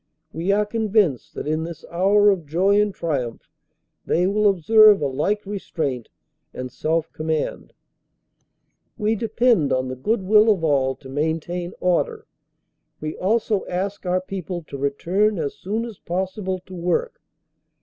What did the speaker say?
We are convinced that in this hour of joy and triumph they will observe a like restraint and self command. "We depend on the goodwill of all to maintain order. We also ask our people to return as soon as possible to work.